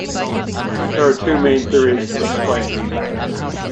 There are two main theories to explain this.